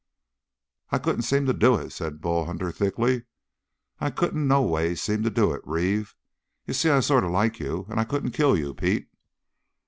"I couldn't seem to do it," said Bull Hunter thickly. "I couldn't noways seem to do it, Reeve. You see, I sort of like you, and I couldn't kill you, Pete."